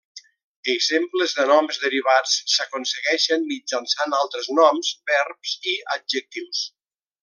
Exemples de noms derivats s'aconsegueixen mitjançant altres noms, verbs i adjectius.